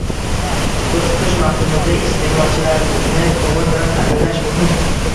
Kuz-qish mavsumida iste’molchilarni ko‘mir bilan ta’minlash muhimng